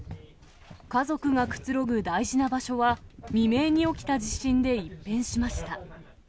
家族がくつろぐ大事な場所は、未明に起きた地震で一変しました。